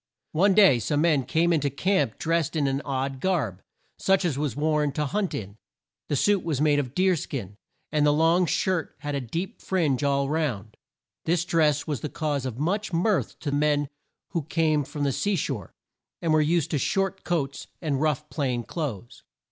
One day some men came in to camp drest in an odd garb, such as was worn to hunt in. The suit was made of deer skin, and the long shirt had a deep fringe all round. This dress was the cause of much mirth to men who came from the sea shore, and were used to short coats, and rough plain clothes.